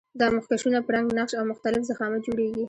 دا مخکشونه په رنګ، نقش او مختلف ضخامت جوړیږي.